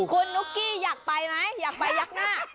คุณนุ๊กกี้อยากไปไหมอยากไปยักหน้า